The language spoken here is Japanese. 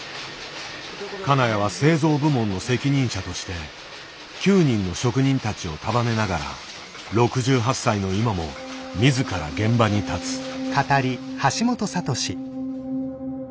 金谷は製造部門の責任者として９人の職人たちを束ねながら６８歳の今も自ら現場に立つ。